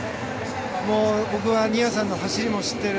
僕は新谷さんの走りも知っている。